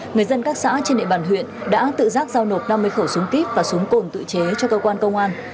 người dân các xã trên địa bàn huyện đã tự giác giao nộp năm mươi khẩu súng kíp và súng cồn tự chế cho cơ quan công an